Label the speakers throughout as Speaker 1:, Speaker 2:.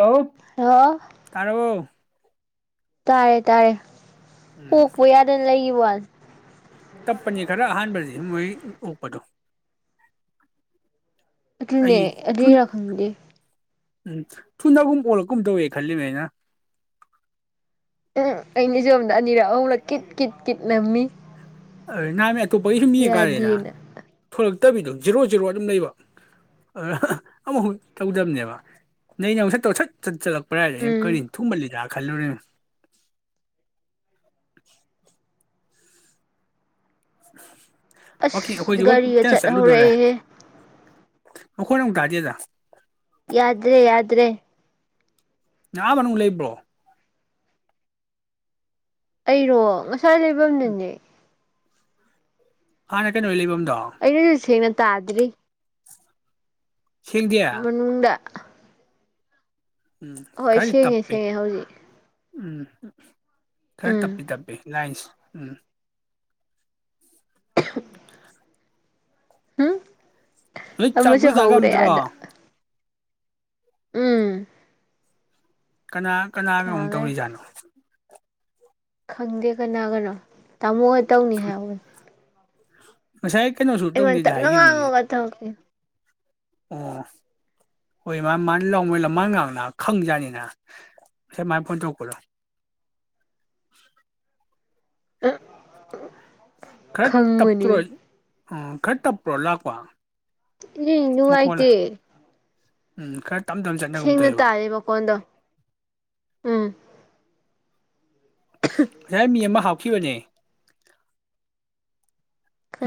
Speaker 1: Hello
Speaker 2: hello
Speaker 1: ꯀꯥꯏꯂꯩꯕ‌ꯣ
Speaker 2: ꯇꯥꯔꯦ ꯇꯥꯔꯦ
Speaker 1: ꯎꯝ
Speaker 2: ꯀꯣꯛ ꯄꯨ ꯌꯥꯗꯅ ꯂꯩꯒꯤꯋꯥꯅ‌ꯦ
Speaker 1: ꯇꯞꯄꯅꯤ ꯈꯔ ꯑꯍꯥꯟꯕꯁꯤꯗꯤ ꯃ‌ꯣꯏ ꯎꯝ ꯎꯞꯄꯗꯣ
Speaker 2: ꯑꯗꯨꯅꯦ ꯑꯗꯨꯏꯔ ꯈꯪꯗꯦ
Speaker 1: ꯎꯝ ꯊꯨꯅꯒꯨꯝ ꯑꯣꯜꯂꯛꯀꯨꯝ ꯇꯧꯋꯦ ꯈꯜꯂꯤꯅꯦ ꯑꯩꯅ
Speaker 2: ꯎꯝ ꯑꯩꯅ ꯖꯣꯝꯗ ꯑꯅꯤꯔꯛ ꯑꯍꯨꯝꯂꯛ ꯀꯤꯠ ꯀꯤꯠ ꯀꯤꯠ ꯅꯝꯃꯤ
Speaker 1: ꯍ ꯅꯝ ꯣ ꯄꯩꯁ ꯃꯤ ꯀꯥꯔꯦꯔ
Speaker 2: ꯌꯥꯗꯦꯅ
Speaker 1: ꯊꯛ ꯐꯠꯇꯕꯤꯗꯣ ꯖꯤꯔꯣ ꯖꯤꯔꯣ ꯑꯗꯨꯝ ꯂꯩꯕ ꯑꯗꯨ ꯑꯃꯨꯐꯥꯎꯛ ꯇꯧꯗꯕꯅꯦꯕ ꯅꯅꯦ ꯑꯃꯨꯛ ꯁ ꯇꯧ ꯁꯠ ꯁꯠ ꯆꯠꯂꯛꯄ ꯄ꯭ꯔꯥꯏꯗ ꯀꯔꯤꯅ
Speaker 2: ꯎꯝ
Speaker 1: ꯑꯩꯟ ꯊꯨꯝꯃꯜꯂꯤꯗ ꯈꯜꯂꯨꯔꯤꯝ [inaudible] ꯋꯥꯀꯤꯡ
Speaker 2: ꯑꯁ
Speaker 1: ꯑꯩꯈꯣꯏꯁꯨ
Speaker 2: ꯒꯥꯔꯤꯒ ꯆꯠ ꯍꯧꯔꯛꯑꯍꯦ
Speaker 1: ꯃꯥꯈꯣꯏꯅ ꯑꯃꯨꯛ ꯇꯥꯗꯦꯗ
Speaker 2: ꯌꯥꯗ꯭ꯔꯦ ꯌꯥꯗ꯭ꯔꯦ
Speaker 1: ꯅꯡ ꯑꯥ ꯃꯅꯨꯡ ꯂꯩꯕꯔꯣ
Speaker 2: ꯑꯩꯔꯣ ꯉꯁꯤ ꯋꯥꯏ ꯂꯩꯐꯝꯗꯨꯅꯦ
Speaker 1: ꯍꯥꯟꯅ ꯀꯩꯅꯣꯒꯤ ꯂꯩꯕꯝ
Speaker 2: ꯑꯩꯅꯁꯩ ꯁꯦꯪꯅ ꯇꯥꯗ꯭ꯔꯤ
Speaker 1: ꯁꯦꯡꯗꯦ
Speaker 2: ꯃꯅꯨꯡꯗ
Speaker 1: ꯎꯝ
Speaker 2: ꯍꯣꯏ
Speaker 1: ꯈꯔꯗꯤ
Speaker 2: ꯁꯦꯡꯉꯦ
Speaker 1: ꯇꯞꯄꯤ
Speaker 2: ꯁꯦꯡꯉꯦ ꯍꯧꯖꯤꯛ
Speaker 1: ꯎꯝ ꯎꯝ ꯈꯔ
Speaker 2: ꯎꯝ
Speaker 1: ꯇꯞꯄꯤ ꯇꯞꯄꯤ ꯂꯥꯏꯟꯁꯤ ꯎꯝ
Speaker 2: ꯍꯝ
Speaker 1: ꯅꯣꯏ ꯆꯥꯛ
Speaker 2: ꯑꯃꯁꯨ
Speaker 1: ꯂꯣꯏ ꯆꯥꯈ꯭ꯔꯕ
Speaker 2: ꯍꯧ꯭ꯔꯦ
Speaker 1: ꯅꯠꯇ꯭ꯔꯣ
Speaker 2: ꯌꯥꯗ ꯎꯝ
Speaker 1: ꯀꯅꯥ ꯀꯅꯥꯒꯅꯣ ꯑꯃꯨꯛ
Speaker 2: ꯊꯥꯈ꯭ꯔꯦ
Speaker 1: ꯇꯧꯔꯤꯖꯥꯠꯅꯣ
Speaker 2: ꯈꯪꯗꯦ ꯀꯅꯥꯒꯅꯣ ꯇꯥꯃꯣꯒ ꯇꯧꯅꯤ ꯍꯥꯏꯍꯧꯕꯅꯤ
Speaker 1: ꯎ [unintelligible]
Speaker 2: ꯑꯩꯉꯣꯟ ꯇꯞꯅ ꯉꯥꯡꯉꯣꯕ ꯇꯧꯔꯥꯛꯈꯤꯝ
Speaker 1: ꯑꯣ ꯍꯣꯏ ꯃꯥ ꯃꯥꯅ ꯂꯥꯑꯣ ꯃꯅꯥ ꯉꯥꯪ ꯈꯪꯖꯠꯅꯤꯅꯥ ꯉꯥꯁꯥꯏ ꯃꯅꯥ ꯐꯣꯟ ꯇꯧꯔꯛꯄꯗꯨ
Speaker 2: ꯎ ꯎ
Speaker 1: ꯈꯔ ꯇꯞꯇ꯭ꯔꯣ ꯎ ꯈꯔ ꯇꯞꯄ꯭ꯔꯣ ꯂꯥꯛꯄ
Speaker 2: ꯏ
Speaker 1: ꯃꯈꯣꯜꯂꯦ
Speaker 2: ꯅꯨꯪꯉꯥꯏꯇꯦ
Speaker 1: ꯎꯝ ꯈꯔ ꯇꯞ ꯇꯞꯅ ꯆꯠꯅꯒꯨꯝ
Speaker 2: ꯁꯦꯡꯅ
Speaker 1: ꯇꯧꯋꯦꯕ
Speaker 2: ꯇꯥꯔꯦ ꯃꯈꯀꯣꯟꯗꯣ ꯎꯝ
Speaker 1: ꯉꯥꯁꯥꯏ ꯃꯤ ꯑꯃ ꯍꯥꯥꯄ ꯈꯤꯕꯅꯦ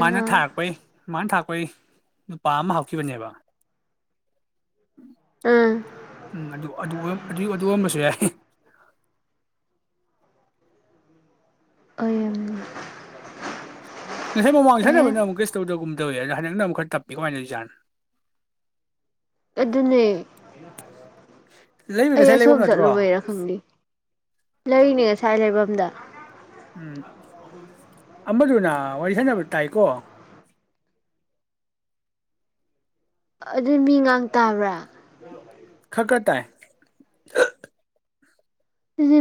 Speaker 1: ꯃꯥꯅ ꯊꯥꯔꯛꯄꯩ ꯃꯥꯅ ꯊꯥ ꯑꯩꯈꯣꯏ ꯅꯨꯄꯥ ꯑꯃ ꯍꯧꯈꯤꯕꯅꯦꯕ
Speaker 2: ꯎꯝ
Speaker 1: ꯎꯝ ꯑꯗꯨ ꯑꯗꯨ ꯑꯗꯨ ꯑꯣꯏꯔꯝꯕꯁꯨ ꯌꯥꯏ
Speaker 2: ꯑꯣꯔꯝꯅꯤ꯫
Speaker 1: ꯉꯁꯥꯏ ꯃꯃꯥꯡꯗ ꯁꯥꯟꯅꯕꯅ ꯑꯃꯨꯛ ꯀꯦꯁꯨꯝ ꯇꯧꯗꯧꯒꯨꯝ ꯇꯧꯋ ꯑꯗꯣ ꯍꯟꯗꯛ ꯅ ꯑꯃꯨꯛ ꯈꯔ ꯇꯞꯄꯤ ꯀꯃꯥꯏꯅ ꯇꯧꯔꯤꯖꯠꯅꯣ
Speaker 2: ꯑꯗꯨꯅꯦ
Speaker 1: ꯂꯩꯕ
Speaker 2: ꯑꯩ
Speaker 1: ꯉꯁꯥꯏ
Speaker 2: ꯑꯁꯣꯝ
Speaker 1: ꯂꯩꯐꯝ ꯅꯠꯇ꯭ꯔꯣ
Speaker 2: ꯆꯠꯂꯨꯕꯩꯔꯥ ꯈꯪꯗꯦ ꯂꯩꯅꯦ ꯉꯁꯥꯏ ꯂꯩꯐꯝꯗ
Speaker 1: ꯎꯝ ꯑꯃꯗꯨꯅ ꯋꯥꯔꯤ ꯁꯥꯟꯅꯕ ꯇꯥꯏꯀꯣ
Speaker 2: ꯑꯗꯨ ꯃꯤ ꯉꯥꯡ ꯇꯥꯕ꯭ꯔꯥ
Speaker 1: ꯈꯈ ꯇꯥꯏ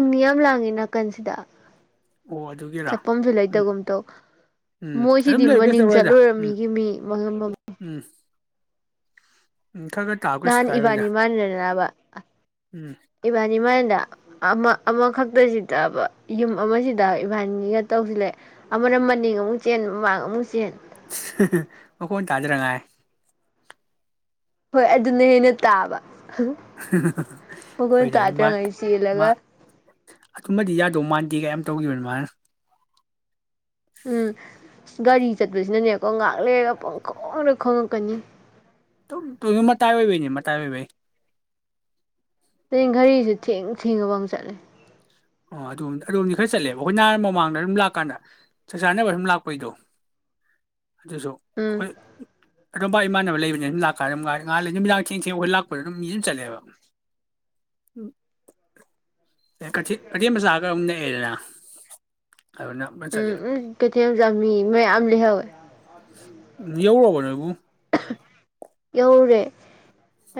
Speaker 2: ꯃꯤ ꯌꯥꯝ ꯂꯥꯡꯉꯤ ꯅꯥꯀꯟꯁꯤꯗ
Speaker 1: ꯑꯣ ꯑꯗꯨꯒꯤꯔꯥ
Speaker 2: ꯆꯠꯐꯝꯁꯨ
Speaker 1: ꯎꯝ
Speaker 2: ꯂꯩꯇꯒꯨꯝ ꯇꯧ
Speaker 1: ꯎꯝ
Speaker 2: ꯃꯣꯏꯁꯤꯗꯤ
Speaker 1: ꯑꯗꯨꯝ ꯂꯩꯌꯨ ꯀꯩꯁꯨ
Speaker 2: ꯃꯅꯤꯡ
Speaker 1: ꯇꯧꯔꯣꯏꯗ ꯎꯝ
Speaker 2: ꯆꯠꯂꯨꯔꯝꯃꯤꯒꯤ ꯃꯤ ꯃꯤ ꯉꯝ
Speaker 1: ꯎꯝ [inaudible] ꯇꯥꯎ ꯀꯩꯁꯨ
Speaker 2: ꯅꯍꯥꯟ
Speaker 1: ꯀꯥꯏꯔꯣꯏꯗ
Speaker 2: ꯏꯕꯥꯅꯤ ꯃꯥꯟ꯭ꯔꯦꯅꯥꯕ
Speaker 1: ꯎꯝ
Speaker 2: ꯏꯕꯥꯅꯤ ꯃꯥꯟ ꯑꯃ ꯑꯃꯈꯛꯇꯁꯤꯗꯕ ꯌꯨꯝ ꯑꯃꯁꯤꯗ ꯏꯕꯥꯜꯒꯤꯒ ꯇꯧꯁꯤ ꯂꯩ ꯑꯃꯅ ꯃꯅꯤꯡ ꯑꯃꯨꯛ ꯆꯦꯟ ꯃꯃꯥꯡ ꯑꯃꯨꯛ ꯆꯦꯟ
Speaker 1: ꯃꯈꯣꯟ ꯇꯥꯗꯅꯤꯡꯉꯥꯏ
Speaker 2: ꯍꯣꯏ ꯑꯗꯨꯅ ꯍꯦꯟꯅ ꯇꯥꯕ ꯃꯈꯣꯟ
Speaker 1: ꯍꯣꯏꯅꯦ ꯑꯗꯨ ꯃꯥ
Speaker 2: ꯇꯥꯗ꯭ꯔꯉꯩ
Speaker 1: ꯃꯥ
Speaker 2: ꯆꯦꯜꯂꯒ
Speaker 1: ꯑꯗꯨꯃꯗꯤ ꯌꯥꯗꯧ ꯃꯥꯟꯗꯦ ꯀꯩ ꯇꯧꯈꯤꯕꯅꯤ ꯃꯥꯅ
Speaker 2: ꯎꯝ ꯒꯥꯔꯤ ꯆꯠꯄꯁꯤꯅꯅꯦꯀꯣ ꯉꯥꯛꯂꯦꯒ ꯄꯪꯈꯣꯡꯗ ꯈꯣꯡꯉꯛꯀꯅꯤ
Speaker 1: ꯇ ꯃꯇꯥꯥꯏꯑꯣꯢꯕꯩꯅꯤ ꯃꯇꯥꯏꯑꯣꯢꯕꯩ
Speaker 2: ꯒꯥꯔꯤꯁꯦ ꯊꯦꯡꯉꯕ ꯊꯦꯡꯉ ꯐꯧ ꯆꯠꯂꯦ
Speaker 1: ꯑꯣꯝ ꯑꯗꯣꯝꯗꯤ ꯈꯔ ꯆꯠꯂꯦꯕ ꯑꯩꯈꯣꯏ ꯅꯍꯥꯟ ꯃꯃꯥꯡꯗ ꯑꯗꯨꯝ ꯂꯥꯛꯀꯥꯟꯗ ꯆꯥꯛ ꯆꯥꯅꯕ ꯑꯗꯨꯨꯝ ꯂꯥꯛꯄꯩꯗꯣ ꯑꯗꯨꯁꯨ
Speaker 2: ꯎꯝ
Speaker 1: ꯑꯩꯈꯣꯏ ꯑꯗꯨꯣꯝꯄꯥ ꯏꯃꯥꯟꯅꯕ ꯂꯩꯕꯅꯤ ꯑꯗꯨꯨꯝ ꯂꯥꯛꯀ ꯑꯗꯨꯝꯥꯏ ꯉꯥꯜꯂꯤ ꯅꯨꯃꯤꯗꯥꯡ ꯊꯦꯡ ꯊꯦꯡ ꯑꯩꯈꯣꯏ ꯂꯥꯛꯄꯗ ꯑꯗꯨꯝ ꯃꯤꯁꯨꯝ ꯆꯠꯂꯦꯕ ꯎꯝ꯫ [unintelligible] ꯕꯖꯥꯔꯒꯗꯨꯝ ꯅꯛꯑꯦꯗꯅ ꯑꯗꯨꯅ
Speaker 2: ꯎꯝ
Speaker 1: ꯆꯠꯂꯦꯕ
Speaker 2: ꯎꯝ ꯀꯩꯊꯦꯜ ꯆꯝ ꯃꯤ ꯃꯌꯥꯝꯝ ꯂꯤꯍꯧꯌꯦ
Speaker 1: ꯌꯧꯔꯕ ꯅꯣꯏꯕꯨ
Speaker 2: ꯌꯧꯔꯦ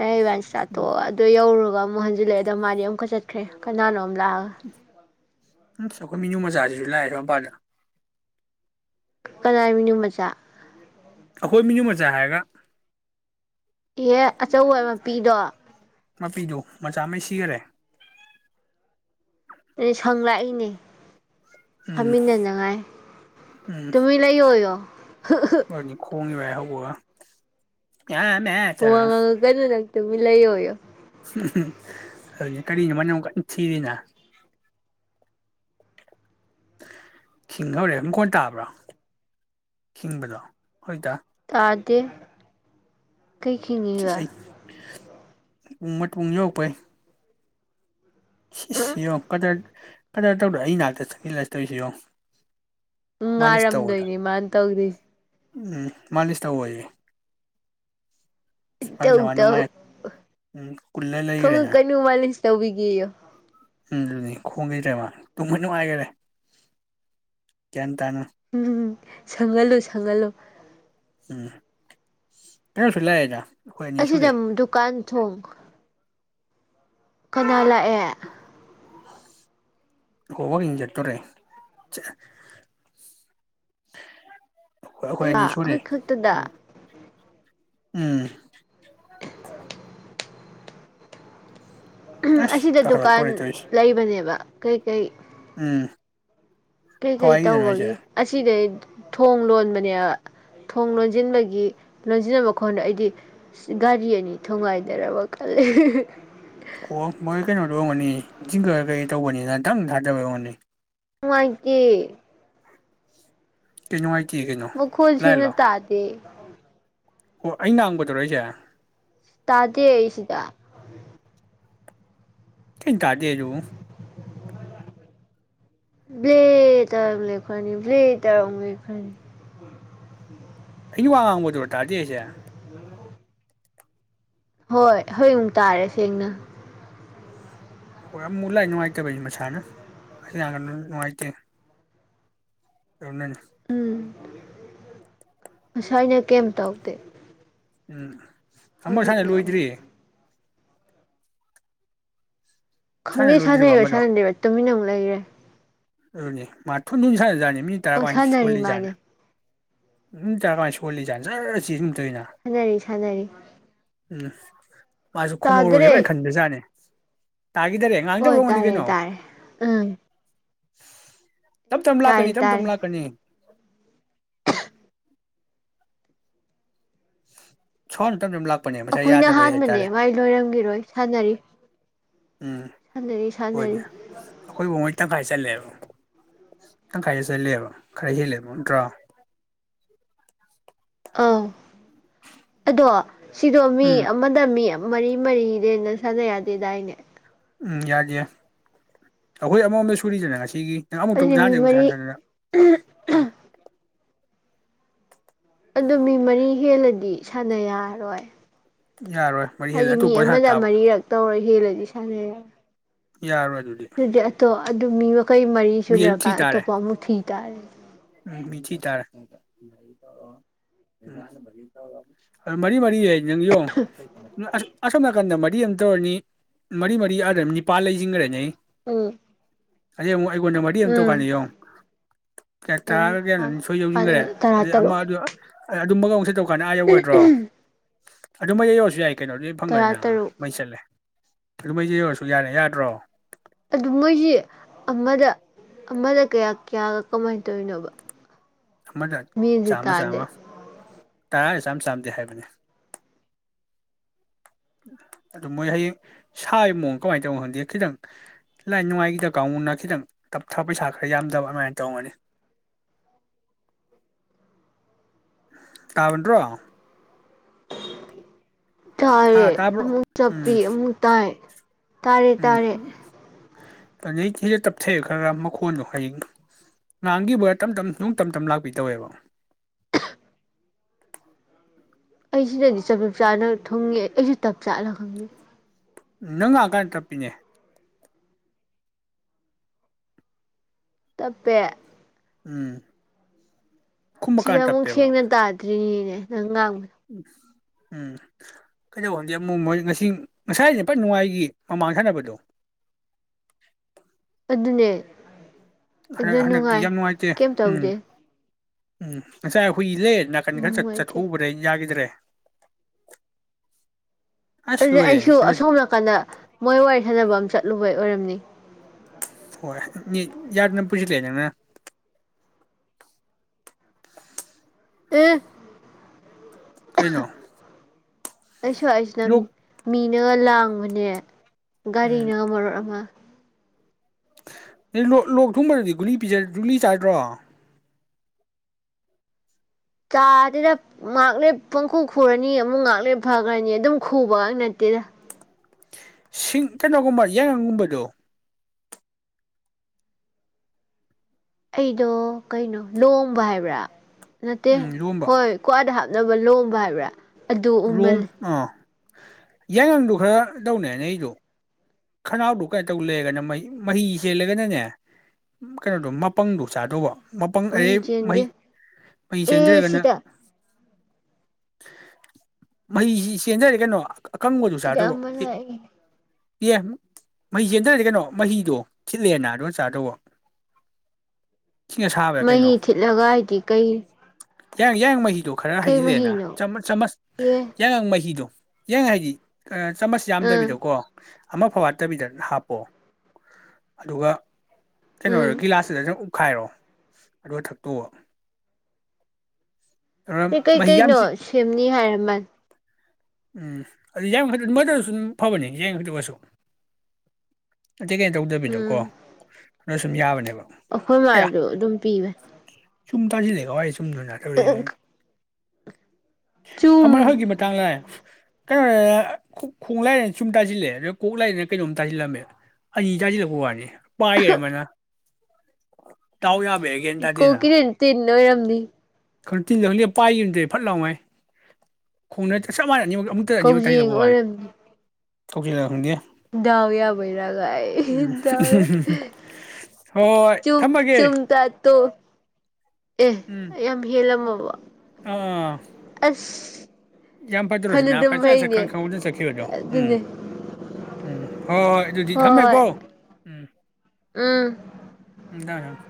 Speaker 2: ꯑꯕ ꯆꯥꯊꯣꯛ ꯑꯗꯣ ꯌꯔꯒ ꯑꯃꯨꯛ ꯍꯟꯖꯤꯜꯂꯛꯑꯦꯗꯣ ꯃꯥꯗꯤ ꯑꯃꯨꯛꯀ ꯆꯠꯦ ꯈ꯭ꯔꯦ ꯀꯅꯥꯅꯣꯝ ꯂꯥꯛꯑꯒ
Speaker 1: ꯎꯝ ꯑꯩꯈꯣꯏ ꯃꯤꯅꯨ ꯃꯆꯥꯁꯤꯁꯨ ꯂꯥꯛꯑꯗꯣ ꯃꯄꯥꯟꯗ
Speaker 2: ꯀꯅꯥꯃꯤꯅꯨ ꯃꯆꯥ
Speaker 1: ꯑꯩꯈꯣꯏ ꯃꯤꯅ ꯃꯆꯥ ꯍꯥꯏꯔꯒ
Speaker 2: ꯌꯦ ꯑꯆꯥ ꯄꯤꯗ
Speaker 1: ꯃꯄꯤꯖꯣ ꯃꯆꯥꯥꯃꯦ ꯁꯤꯒꯔꯦ
Speaker 2: ꯏꯁꯪ ꯂꯥꯛꯏꯅꯦ
Speaker 1: ꯎꯝ
Speaker 2: ꯆꯥꯃꯤꯟꯅꯅꯉꯥꯏ
Speaker 1: ꯎꯝ
Speaker 2: ꯇꯨꯃꯤꯟ ꯂꯩꯌꯣꯌꯣ ꯍꯛ-ꯍꯛ
Speaker 1: ꯈꯣꯡꯉꯤꯕꯥꯏ ꯍꯧꯕꯒ ꯑ
Speaker 2: ꯋꯥ
Speaker 1: ꯃꯦꯠꯇ
Speaker 2: ꯉꯥꯡꯉꯛꯀꯅꯨ ꯅꯪ ꯇꯨꯃꯤꯟ ꯂꯩꯌꯣꯌꯣ
Speaker 1: ꯎꯍꯝ ꯍ- ꯀꯔꯤꯅꯣ ꯀꯔꯤꯅꯣ ꯃꯥꯅꯃꯨꯛ ꯀꯟꯅ ꯊꯤꯔꯤꯁꯤꯅ ꯈꯤꯡꯍꯧꯔꯦ ꯅꯪ ꯈꯣꯟ ꯇꯥꯕ꯭ꯔꯣ ꯈꯤꯡꯕꯗꯣ ꯍꯧꯖꯤꯛꯇ
Speaker 2: ꯇꯥꯗꯦ ꯀꯩ ꯈꯤꯡꯉꯤꯕ
Speaker 1: ꯎꯝ ꯃꯣꯏ ꯄꯨꯡ ꯌꯧꯔꯛꯄꯩ ꯏꯁ ꯁꯤ ꯌꯦꯡꯉꯣ ꯀꯗꯔ ꯀꯗꯔ ꯇꯧꯗ ꯑꯩ ꯅꯥꯛꯇ ꯆꯪꯁꯤꯜꯂ ꯇꯧꯔꯤꯁꯦ ꯌꯦꯡꯎ
Speaker 2: ꯅꯨꯡꯉꯥꯏꯔꯝꯗꯣꯏꯅꯦ ꯃꯥꯅ ꯇꯧꯗꯣꯏꯁꯦ
Speaker 1: ꯎꯝ ꯃꯥꯂꯤꯁ ꯊꯧꯕꯖꯦ
Speaker 2: ꯏ ꯇꯧ ꯇꯧ ꯑ
Speaker 1: ꯀꯨꯜꯂ ꯂꯩꯈ꯭ꯔꯦꯅ
Speaker 2: ꯈꯣꯡꯉꯛꯀꯅꯨ ꯃꯥꯂꯤꯁ ꯇꯧꯕꯤꯒꯦꯌꯨ
Speaker 1: ꯎꯝ ꯑꯗꯨꯅꯤ ꯈꯣꯡꯒꯤꯗ꯭ꯔꯦ ꯃꯥ ꯇꯨꯝꯃ ꯅꯨꯡꯉꯥꯏꯒꯔꯦ ꯅꯪ
Speaker 2: ꯎꯝ ꯁꯪꯍꯜꯂꯨ ꯁꯪꯍꯜꯂꯨ
Speaker 1: ꯁꯤ ꯇꯌꯥꯔ ꯐꯤꯜ ꯂꯥꯛꯏꯗꯥ
Speaker 2: ꯑꯁꯤꯗ ꯗꯨꯀꯥꯟ ꯊꯣꯡ ꯀꯅꯥ ꯂꯥꯛꯑꯦ
Speaker 1: ꯑꯣ ꯋꯥꯀꯤꯡ ꯆꯠꯇꯣꯔꯦ ꯑꯩꯈꯣꯏ ꯑꯩꯈꯣꯏ ꯑꯅꯤ
Speaker 2: ꯑꯥ
Speaker 1: ꯁꯨꯔꯦ
Speaker 2: ꯍꯣꯏ ꯈꯛꯇꯗ
Speaker 1: ꯎꯝ ꯎꯝ
Speaker 2: ꯎꯍꯝ
Speaker 1: ꯑꯁ
Speaker 2: ꯑꯁꯤꯗ ꯗꯨꯀꯥꯟ
Speaker 1: ꯀꯥꯈꯠꯂꯛꯇꯣꯔꯦ ꯇꯧꯔꯤꯁꯦ
Speaker 2: ꯂꯩꯕꯅꯦꯕ ꯀꯩ ꯀꯩ
Speaker 1: ꯎꯝ
Speaker 2: ꯀꯩ ꯀꯩ
Speaker 1: ꯀꯋꯥꯏꯒꯤꯗꯅꯣ ꯍꯥꯏꯁꯦ
Speaker 2: ꯇꯧꯕꯒꯤ ꯑꯁꯤꯗꯩ ꯊꯣꯡ ꯂꯣꯟꯕꯅꯦꯕ ꯊꯣꯡ ꯂꯣꯟꯖꯤꯟꯕꯒꯤ ꯂꯣꯟꯖꯤꯟꯅꯕ ꯃꯈꯣꯟꯗꯣ ꯑꯩꯗꯤ ꯏꯁ ꯒꯥꯔꯤ ꯑꯅꯤ ꯊꯣꯝꯒꯥꯏꯅꯔꯕ ꯈꯜꯂꯦ ꯑ ꯍꯤ-ꯍꯤ-
Speaker 1: ꯑꯣ ꯃꯣꯏ ꯀꯩꯅꯣꯗꯣ ꯑꯣꯏꯔꯃꯒꯅꯤ ꯖꯤꯡꯒ ꯀꯩ ꯀꯩ ꯇꯧꯕꯅꯤꯅ ꯗꯪ ꯊꯥꯗꯕꯩ ꯑꯣꯏꯔꯝꯒꯅꯤ
Speaker 2: ꯅꯨꯡꯉꯥꯏꯇꯦ
Speaker 1: ꯀꯩ ꯅꯨꯡꯉꯥꯏ
Speaker 2: ꯃꯈꯣꯟꯁꯦꯡꯅ ꯇꯥꯗꯦ
Speaker 1: ꯑꯣ ꯑꯩ ꯉꯥꯡꯕꯗꯨꯔꯣ ꯍꯥꯏꯖꯦ
Speaker 2: ꯇꯥꯗꯦ ꯑꯩꯁꯤꯗ
Speaker 1: ꯀꯩꯟ ꯇꯥꯗꯦ ꯍꯥꯏꯖꯤꯕꯨ
Speaker 2: ꯕ꯭ꯂꯦ ꯇꯧꯔ ꯑꯃꯨꯛ ꯂꯦꯞꯈ꯭ꯔꯅꯤ ꯕ꯭ꯂꯦ ꯇꯧꯔ ꯑꯃꯨꯛ ꯂꯦꯞꯈ꯭ꯔꯅꯤ
Speaker 1: ꯑꯩꯅ ꯋꯥ ꯉꯥꯡꯕꯗꯨꯔ ꯇꯥꯗꯦ ꯑꯩꯁꯦ
Speaker 2: ꯍꯣꯏ ꯍꯣꯏꯨꯛ ꯇꯥꯔꯦ ꯁꯦꯡꯅ
Speaker 1: ꯍꯣꯏ ꯑꯃꯨꯛ ꯂꯥꯏ ꯅꯨꯡꯉꯥꯏꯇꯦꯕꯩ ꯃꯁꯥꯅ ꯅꯨꯡꯉꯥꯏꯇꯦ ꯍ
Speaker 2: ꯎꯝ ꯑꯁ ꯑꯩꯅ ꯀꯩꯝ ꯇꯧꯗꯦ
Speaker 1: ꯎꯝ ꯊ ꯁꯅ
Speaker 2: ꯍꯧꯖꯤꯛꯅ
Speaker 1: ꯂꯣꯏꯗ꯭ꯔꯤ
Speaker 2: ꯑꯃꯨꯛ
Speaker 1: ꯁꯥꯟꯅ
Speaker 2: ꯈꯪꯗꯦ
Speaker 1: ꯂꯣꯏꯗ꯭ꯔꯤꯕ
Speaker 2: ꯁꯥꯟꯅꯩꯔ
Speaker 1: ꯑꯃꯗꯣ
Speaker 2: ꯁꯥꯟꯅꯗꯔ ꯇꯨꯃꯤꯟꯅ ꯑꯃꯨꯛ ꯂꯩꯔꯦ
Speaker 1: ꯑꯗꯨꯅꯤ ꯃꯣ ꯅꯁꯅꯤ ꯑ ꯇꯥ
Speaker 2: ꯑꯣ
Speaker 1: ꯀ
Speaker 2: ꯁꯥꯟꯅꯔꯤ
Speaker 1: ꯁꯀꯂꯤ ꯌꯥꯥꯟ
Speaker 2: ꯃꯥꯜꯂꯦ
Speaker 1: ꯎꯝ ꯇ ꯁꯣꯂꯤꯖ ꯆ
Speaker 2: ꯆꯖꯔꯤ ꯆꯖꯔꯤ
Speaker 1: ꯐꯦ ꯃꯥꯖꯨ ꯈꯝꯍꯧꯔꯒꯦꯕ ꯐꯖꯟ ꯈꯟꯗꯖꯥꯠꯅꯤ ꯇꯥꯒꯤꯗꯔꯦ ꯉꯪꯒꯤꯗꯕꯩ
Speaker 2: ꯑꯣ
Speaker 1: ꯑꯣꯏꯔꯝꯒꯅꯤ
Speaker 2: ꯇꯥꯔꯦ
Speaker 1: ꯀꯩꯅꯣ
Speaker 2: ꯇꯥꯔꯦ ꯎꯝ
Speaker 1: [inaudible] ꯇꯞ ꯇꯞꯅ ꯂꯥꯛꯀꯅꯤ
Speaker 2: ꯇꯥꯔꯦ
Speaker 1: ꯇꯞ ꯇꯞ
Speaker 2: ꯇꯥꯔꯦ
Speaker 1: ꯂꯥꯛꯀꯅꯤ [inaudible] ꯁꯥꯑꯣꯟ ꯇꯝ ꯇꯝ ꯂꯥꯛ
Speaker 2: ꯑꯩꯈꯣꯏꯅ ꯑꯍꯥꯟꯕꯅꯦ ꯃꯥꯏ ꯂꯣꯏꯔꯝꯈꯤꯔꯣꯏ ꯁꯥꯟꯅꯔꯤ
Speaker 1: ꯎꯝ
Speaker 2: ꯁꯅꯔꯤ
Speaker 1: ꯑꯣꯏꯅꯦ
Speaker 2: ꯁꯥꯟꯅꯔꯤ
Speaker 1: ꯑꯩꯈꯣꯏꯕꯨ ꯃꯣꯏ ꯇꯪꯈꯥꯏ ꯆꯠꯂꯦꯕ ꯇꯪꯈꯥꯏꯗꯦ ꯆꯠꯂꯦꯕ ꯈꯥꯏ ꯍꯦꯜꯂꯦꯕ ꯅꯠꯇ꯭ꯔꯣ
Speaker 2: ꯑꯥꯎ ꯇꯣ ꯁꯤꯗꯣ ꯃꯤ
Speaker 1: ꯎꯝ
Speaker 2: ꯑꯃꯗ ꯃꯤ ꯑꯃ ꯃꯔꯤ ꯃꯔꯤꯗꯩꯅ ꯁꯥꯟꯅ ꯌꯥꯗꯦꯗꯥꯏꯅꯦ
Speaker 1: ꯎꯝ ꯌꯥꯗꯦ ꯑꯩꯈꯣꯏ ꯑꯃꯃꯝꯗ ꯁꯨꯔꯤꯗꯅ ꯉꯁꯤꯒꯤ ꯅꯪ ꯑꯃꯨꯛ ꯇꯧ
Speaker 2: ꯑꯗꯨ ꯃꯤ
Speaker 1: ꯅꯍꯥꯟꯗꯩ ꯑꯃꯨꯛ
Speaker 2: ꯃꯔꯤ
Speaker 1: ꯁꯥꯟꯅ ꯁꯥꯟꯅꯅ ꯎꯝ
Speaker 2: ꯑꯗꯨ ꯃꯤ ꯃꯔꯤ ꯍꯦꯜꯂꯗꯤ ꯏꯁꯥꯅ ꯌꯥꯔꯣꯏ
Speaker 1: ꯌꯥꯔꯣꯏ ꯃꯔꯤ ꯍꯦꯜꯂꯦ
Speaker 2: ꯍꯥꯏꯗꯤ ꯃꯤ
Speaker 1: ꯑꯇꯣꯞꯄ ꯁꯥꯟꯅ
Speaker 2: ꯑꯃꯗ
Speaker 1: ꯇꯥꯕ
Speaker 2: ꯃꯔꯤꯔꯛ ꯇꯧꯔ ꯍꯦꯜꯂꯗꯤ [unintelligible]
Speaker 1: ꯌꯥꯔꯣꯏ ꯑꯗꯨꯗꯤ
Speaker 2: ꯑꯗꯨ ꯃꯤ ꯀꯩ ꯃꯔꯤ
Speaker 1: ꯃꯤ ꯑꯗꯨꯝ
Speaker 2: ꯁꯨꯅꯔꯀꯥꯟꯗ ꯑꯇꯣꯞꯄ ꯑꯃꯨꯛ ꯊꯤꯒ ꯇꯔꯦ
Speaker 1: ꯎ ꯃꯤꯊꯤ ꯇꯥꯔ ꯃꯔꯤ ꯃꯔꯤ ꯌꯦꯡ ꯌꯦꯌꯣ ꯑꯁ ꯑꯁꯣꯝ ꯅꯥꯀꯟꯗ ꯃꯔꯤ ꯑꯃꯝ ꯇꯧꯔꯅꯤ ꯃꯔꯤ ꯃꯔꯤ ꯑꯗꯨꯗ ꯅꯤꯄꯥꯜ ꯂꯩꯁꯤꯟꯈ꯭ꯔꯅꯤ ꯑꯩ
Speaker 2: ꯎꯝ
Speaker 1: ꯑ ꯑꯩꯉꯣꯟꯗ ꯃꯔꯤ ꯑꯃꯝꯇ ꯀꯥꯟꯅꯤ
Speaker 2: ꯎꯝ
Speaker 1: ꯌꯦꯣ ꯀꯌꯥ ꯇꯥꯔꯒ ꯀꯌꯥꯅꯣ
Speaker 2: ꯅꯤꯄꯥꯜ
Speaker 1: ꯅꯤ ꯁꯣꯏ
Speaker 2: ꯅꯤꯄꯥꯜ
Speaker 1: ꯌꯧꯁꯤꯟꯈ꯭ꯔꯦ
Speaker 2: ꯑꯅꯤ ꯇꯔꯥ
Speaker 1: ꯑꯗꯩ ꯑꯃ
Speaker 2: ꯇꯔꯨꯛ
Speaker 1: ꯑꯗꯨ ꯑꯗꯨꯝꯃꯒꯦ ꯇ ꯀꯩꯅ ꯑꯥ ꯌꯧꯒꯗ꯭ꯔꯣ ꯑꯗꯨ ꯃ ꯌꯁꯨ ꯌꯥꯏ ꯀꯩꯅꯣꯗꯨ
Speaker 2: ꯇꯔꯥ
Speaker 1: ꯐꯪꯉꯅꯤꯅ
Speaker 2: ꯇꯔꯨꯛ
Speaker 1: ꯃꯩ ꯆꯠꯂꯦ ꯑꯗꯨꯃꯩꯁꯦ ꯌ ꯑꯣꯏꯔꯁꯨ ꯌꯥꯔꯦ ꯌꯥꯗ꯭ꯔꯣ
Speaker 2: ꯑꯗꯨ ꯃꯣꯏꯁꯤ ꯑꯃꯗ ꯑꯃꯗ ꯀꯌꯥ ꯀꯌꯥꯒ ꯀꯃꯥꯏꯅ ꯇꯧꯔꯤꯅꯣꯕ
Speaker 1: ꯑꯃꯗ
Speaker 2: ꯃꯦꯟꯁꯨ
Speaker 1: ꯆꯥꯃ ꯆꯥꯃ
Speaker 2: ꯇꯥꯗꯦ
Speaker 1: ꯇꯔꯥ ꯆꯥꯝ ꯆꯥꯝꯗꯦ ꯍꯥꯏꯕꯅꯦ ꯑꯗꯨ ꯃꯣꯏ ꯍꯌꯦꯡ ꯁꯥꯕ ꯃꯑꯣꯡꯗ ꯀꯃꯥꯏꯅ ꯇꯧꯅꯣ ꯈꯪꯗꯦ ꯈꯤꯇꯪ ꯂꯥꯏ ꯅꯨꯡꯉꯥꯏꯒꯤꯈꯤꯗ ꯀꯥꯡꯕꯨꯨꯅ ꯈꯤꯇꯪ ꯇꯞꯊꯥ ꯄꯩꯁꯥ ꯈꯔ ꯌꯥꯝꯗꯕ ꯑꯗꯨꯃꯥꯏꯅ ꯇꯧꯒꯅꯤ ꯇꯥꯕꯟꯗ꯭ꯔꯣ ꯍꯥ
Speaker 2: ꯊꯥꯔꯦ
Speaker 1: ꯇꯥꯕ꯭ꯔꯣ
Speaker 2: ꯑꯃꯨꯛ
Speaker 1: ꯎꯝ
Speaker 2: ꯆꯞꯄꯤ ꯑꯃꯨꯛ ꯇꯥꯏ ꯇꯥꯔꯦ ꯇꯥꯔꯦ
Speaker 1: ꯐꯩ ꯁꯤꯗ ꯇꯞꯊꯩꯑ ꯈꯔ ꯃꯈꯣꯟꯗꯣ ꯍꯌꯦꯡ ꯉꯥꯡꯈꯤꯕꯈꯤꯕꯔꯥ ꯇꯞ ꯇꯞ ꯅꯨꯡ ꯇꯞ ꯇꯝ ꯂꯥꯛꯄꯤ ꯇꯧꯋꯦꯕ
Speaker 2: ꯑꯩꯁꯤꯗꯗꯤ ꯆꯞ ꯆꯞ ꯆꯥꯅ ꯊꯣꯡꯉꯦ ꯑꯩꯁꯨ ꯇꯞ ꯆꯥꯂ ꯈꯪꯉꯦ
Speaker 1: ꯅꯪ ꯉꯥꯛ ꯀꯥꯟ ꯇꯞꯄꯤꯅꯦ
Speaker 2: ꯇꯄꯦ
Speaker 1: ꯎꯝ
Speaker 2: ꯁꯤꯗ
Speaker 1: ꯈꯨꯝꯃꯀꯥꯟ
Speaker 2: ꯑꯃꯨꯛ ꯁꯦꯡꯅ ꯇꯥꯗ꯭ꯔꯤꯅꯤꯅꯦ ꯍꯪ
Speaker 1: ꯎꯝ ꯎꯝ ꯀꯩꯗꯧ ꯈꯪꯗꯦ ꯑꯃꯨꯛ ꯃꯣꯏ ꯉꯁꯤ ꯉꯁꯥꯏꯁ ꯐ ꯅꯨꯡꯉꯥꯏꯈꯤ ꯃꯃꯥꯡ ꯁꯥꯟꯅꯕꯗꯣ
Speaker 2: ꯄꯨꯅ
Speaker 1: ꯍꯟꯗꯛꯇꯤ ꯌꯥꯝ ꯅꯨꯡꯉꯥꯏꯇꯦ ꯎꯝ ꯎꯝ ꯉꯁꯥꯏ ꯑꯩꯈꯣꯏꯒꯤ ꯏꯗꯦ ꯅꯥꯀꯟ ꯈꯔ
Speaker 2: ꯅꯨꯡꯉꯥꯏꯇꯦ
Speaker 1: ꯆꯠꯊꯣꯛꯎꯕꯗ ꯑ ꯌꯥꯈꯤꯗ꯭ꯔꯦ ꯑꯁ
Speaker 2: ꯑꯗꯨꯗꯤ
Speaker 1: ꯂꯣꯏꯔꯦ
Speaker 2: ꯑꯩꯁꯨ
Speaker 1: ꯁꯤꯃ
Speaker 2: ꯑꯁꯣꯝ ꯅꯥꯀꯟꯗ ꯃꯣꯏ ꯋꯥꯔꯤ ꯁꯥꯟꯅꯕ ꯑꯃ ꯆꯠ ꯂꯨꯕꯏ ꯑꯣꯏꯔꯝꯅꯤ
Speaker 1: ꯍꯣꯏ ꯌꯥꯗꯅ ꯄꯨꯚꯤꯁ ꯂ
Speaker 2: ꯎ
Speaker 1: ꯀꯩꯅꯣ
Speaker 2: ꯑꯩꯁꯨ
Speaker 1: ꯂꯣꯛ
Speaker 2: ꯑꯩꯁꯅ ꯃꯤꯅ ꯂꯥꯡ ꯃꯅꯦ
Speaker 1: ꯎꯝ
Speaker 2: ꯒꯥꯔꯤꯅ ꯃꯔꯣ ꯑꯃ
Speaker 1: ꯂꯣꯛ ꯂꯣꯛ ꯊꯨꯡꯕꯗꯨꯗꯤ ꯒꯨꯂꯤ ꯄꯤꯖ ꯒꯨꯂꯤ ꯆꯥꯏꯗ꯭ꯔꯣ
Speaker 2: ꯆꯥꯗꯦꯗ ꯉꯥꯛꯂꯩꯔ ꯄꯪꯈꯨ ꯈꯨꯔꯅꯤ ꯑꯃꯨꯛ ꯉꯥꯛꯂꯩ ꯐꯒ꯭ꯔꯅꯤꯌꯦ ꯑꯗꯨꯝ ꯈꯨꯕꯒ ꯅꯠꯇꯦꯗ
Speaker 1: ꯁꯤꯡ ꯀꯩꯅꯣꯒꯨꯝꯕ ꯌꯥꯏꯒꯪꯒꯨꯝꯕꯗꯣ
Speaker 2: ꯑꯩꯗꯣ ꯀꯩꯅꯣ ꯂꯣꯝꯕ ꯍꯥꯏꯕ꯭ꯔꯥ ꯅꯠꯇꯦ
Speaker 1: ꯎꯝ ꯂꯣꯝꯕ
Speaker 2: ꯍꯣꯏ ꯀꯋꯥꯗꯍꯥꯞ ꯅꯕ ꯂꯣꯝꯕ ꯍꯥꯏꯕ꯭ꯔꯥ ꯑꯗꯨ
Speaker 1: ꯔꯣꯝ
Speaker 2: ꯎꯃꯜꯂꯦ
Speaker 1: ꯑꯥ ꯌꯥꯏꯒꯪꯗꯨ ꯈꯔ ꯇꯧꯅꯦ ꯅꯩꯗꯨ ꯈꯅꯥꯎꯗꯨ ꯀꯩꯅꯇꯧ ꯂꯩꯔꯒꯅ ꯃꯍꯤ ꯃꯍꯤ ꯆꯦꯜꯂꯒꯅꯅꯦ ꯀꯩꯅꯣꯗꯨ ꯃꯄꯪꯗꯨ ꯆꯥꯗꯧꯕ ꯃꯄꯪ ꯑꯗꯩ ꯃꯍꯤ ꯃꯍꯤ
Speaker 2: ꯑꯦ
Speaker 1: ꯆꯦꯟꯗꯔꯒꯅ
Speaker 2: ꯁꯤꯗ
Speaker 1: ꯃꯍꯤꯁꯤ ꯆꯦꯟꯗꯔ ꯀꯩꯅꯣ ꯑꯀꯪꯕꯗꯨ
Speaker 2: ꯁꯤꯗ
Speaker 1: ꯆꯥꯗꯧꯕ
Speaker 2: ꯑꯃ
Speaker 1: ꯑꯦ
Speaker 2: ꯂꯥꯛꯑꯦ
Speaker 1: ꯑꯦ ꯃꯍꯤ ꯆꯦꯟꯗꯔꯗꯤ ꯀꯩꯅꯣ ꯃꯍꯤꯗꯨ ꯊꯤꯠꯂꯦꯅ ꯑꯗꯨꯒ ꯆꯥꯗꯧꯕ ꯏꯁꯤꯡ ꯑꯁꯥꯕꯔ
Speaker 2: ꯃꯍꯤ ꯊꯤꯠꯂꯒ ꯍꯥꯏꯗꯤ ꯀꯩ
Speaker 1: ꯌꯥꯡ ꯌꯥꯡꯉꯪ ꯃꯍꯤ ꯑꯗꯨ ꯈꯔ
Speaker 2: ꯀꯩ
Speaker 1: ꯍꯩꯖꯤꯜꯂꯦꯅ
Speaker 2: ꯃꯍꯤꯅꯣ
Speaker 1: ꯆꯃꯁ ꯆꯃꯁ
Speaker 2: ꯑꯦ
Speaker 1: ꯌꯥꯏꯉꯪ ꯃꯍꯤꯗꯨ ꯌꯥꯡꯉꯪ ꯍꯥꯏꯗꯤ ꯆꯃꯁ
Speaker 2: ꯑꯥ
Speaker 1: ꯌꯥꯝꯗꯕꯤꯗꯀꯣ ꯑꯃꯐꯥꯎ ꯋꯠꯇꯕꯤꯗ ꯍꯥꯞꯄꯣ ꯑꯗꯨꯒ ꯀꯩꯅꯣ
Speaker 2: ꯎꯝ
Speaker 1: ꯑꯣꯏꯔꯣ ꯒꯤꯂꯥꯁꯁꯤꯗ ꯁꯨꯝ ꯎꯞꯈꯥꯏꯔꯣ ꯑꯗꯨ ꯊꯛꯇꯣꯛꯑꯣ
Speaker 2: ꯀꯩ
Speaker 1: ꯑꯗꯨꯅ ꯃꯍꯤ ꯌꯥꯝ
Speaker 2: ꯀꯩꯀꯩꯅꯣ
Speaker 1: ꯆꯤ
Speaker 2: ꯁꯦꯝꯅꯤ ꯍꯥꯏꯔꯃꯜ
Speaker 1: ꯎꯝ ꯑꯗꯨ ꯌꯥꯝꯛꯇꯔꯁꯨ ꯐꯕꯅꯤ ꯌꯥꯏꯉꯪ ꯇꯨꯒꯁꯨ ꯅꯇꯦ ꯀꯩꯅ ꯇꯧꯗꯕꯤꯗꯀꯣ
Speaker 2: ꯎꯝ
Speaker 1: ꯑꯗꯨꯅ ꯁꯨꯝ ꯌꯥꯕꯅꯦꯕ
Speaker 2: ꯑꯩꯈꯣꯏ
Speaker 1: ꯑꯌꯥ
Speaker 2: ꯃꯥꯗꯨ ꯑꯗꯨꯝ ꯄꯤꯕꯟ
Speaker 1: ꯆꯨꯝ ꯇꯖꯂꯤ ꯀꯋꯥꯏ ꯆꯨꯝ ꯆꯨꯝ
Speaker 2: ꯆꯨꯝ
Speaker 1: ꯃꯇꯥꯡ ꯂꯥꯛꯑꯦ ꯀꯩꯅꯣ ꯗꯅ ꯈꯣꯡ ꯂꯥꯏꯗ ꯆꯨꯝ ꯇꯥꯁꯤꯜꯂꯦ ꯑꯗ ꯀꯣꯛ ꯂꯥꯏꯗꯅ ꯀꯩꯅꯣꯝ ꯇꯥꯁꯤꯜꯂꯝꯃꯦ ꯑꯅꯤ ꯇꯥꯁꯤꯜꯂꯛꯄ ꯋꯥꯅꯤ ꯄꯥꯏꯔꯦ ꯑꯃꯅ ꯇꯥꯎ ꯌꯥ
Speaker 2: ꯀꯣꯀꯤꯗꯅ ꯇꯟꯅ ꯑꯣꯏꯔꯝꯗꯤ
Speaker 1: ꯈꯪꯅ ꯇꯤꯟꯗ ꯈꯪꯂꯦ ꯄꯥꯏꯈꯤꯕꯅꯗꯦ ꯐꯠ ꯂꯥꯎꯉꯥꯏ ꯈꯣꯡꯅ ꯆꯁꯅꯤ
Speaker 2: ꯀꯧꯖꯤꯡ ꯑꯣꯏꯔꯝ
Speaker 1: ꯊꯧꯛ꯭ꯂꯤ ꯂꯒꯪꯅꯦꯦ
Speaker 2: ꯗꯥꯎꯌꯥꯕꯩꯔꯥꯒꯥꯏ ꯗꯥꯎ
Speaker 1: ꯍꯣꯏ
Speaker 2: ꯆꯨꯝ
Speaker 1: ꯊꯝꯃꯒꯦ
Speaker 2: ꯆꯨꯝ ꯇꯥꯠꯇꯣ ꯑꯦ
Speaker 1: ꯎꯝ
Speaker 2: ꯌꯥꯝ ꯍꯦꯜꯂꯝꯃꯕ ꯑꯗꯨꯒ
Speaker 1: ꯑꯥ
Speaker 2: ꯑꯁ
Speaker 1: ꯌꯥꯝ ꯐꯖꯔꯨꯔꯁꯤ
Speaker 2: ꯐꯅꯗꯨꯝ
Speaker 1: ꯅꯍꯈ ꯆꯠ ꯁꯠ
Speaker 2: ꯐꯩꯅꯦ
Speaker 1: ꯈꯪ ꯈꯪꯍꯧꯗꯅ ꯆꯠꯈꯤꯕꯗꯣ ꯎꯝ
Speaker 2: ꯑꯗꯨꯅꯦ
Speaker 1: ꯎꯝ ꯍꯣꯏ ꯍꯣꯏ ꯑꯗꯨꯗꯤ ꯊꯝꯃꯦꯀꯣ ꯎꯝ
Speaker 2: ꯎꯝ
Speaker 1: ꯎꯝ ꯊꯝꯃꯦ ꯊꯝ [inaudible]